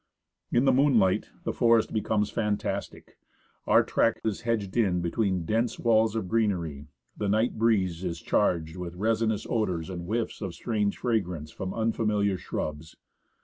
In the moonlight the forest becomes fantastic. Our track is hedged in between dense walls of greenery ; the night breeze is charged with resinous odours and whiffs of strange fragrance from unfamiliar shrubs.